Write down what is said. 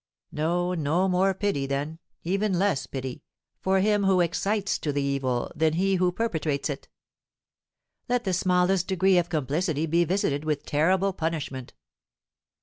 No, no more pity, then even less pity for him who excites to the evil than he who perpetrates it. Let the smallest degree of complicity be visited with terrible punishment!